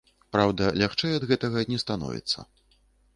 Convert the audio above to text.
Праўда, лягчэй ад гэтага не становіцца.